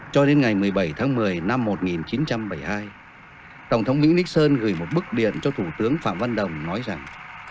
cho đến ngày một mươi bảy tháng một mươi năm một nghìn chín trăm bảy mươi hai tổng thống mỹ nixon gửi một bức điện cho thủ tướng phạm văn đồng nói rằng